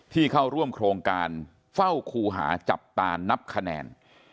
เข้าร่วมโครงการเฝ้าคูหาจับตานับคะแนน